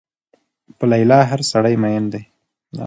په لیلا هر سړی مين دی